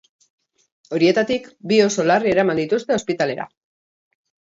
Horietatik, bi oso larri eraman dituzte ospitalera.